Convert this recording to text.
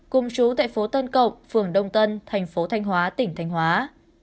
cùng chú tại phố tân cộng phường đông tân thành phố thanh hóa tỉnh thanh hóa